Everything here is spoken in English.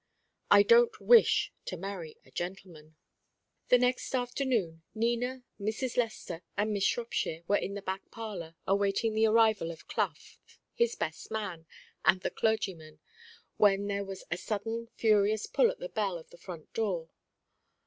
"I don't wish to marry a gentleman." The next afternoon Nina, Mrs. Lester, and Miss Shropshire were in the back parlour awaiting the arrival of Clough, his best man, and the clergyman, when there was a sudden furious pull at the bell of the front door.